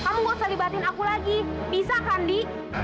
kamu nggak usah dibatuin aku lagi bisa kan ndi